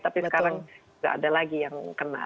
tapi sekarang nggak ada lagi yang kena